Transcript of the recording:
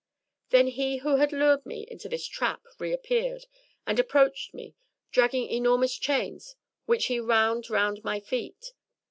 Then he who had lured me into this trap reappeared and approached me, dragging enormous chains, which he wound around my feet.